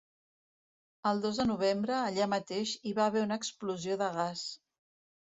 El dos de novembre, allà mateix, hi va haver una explosió de gas.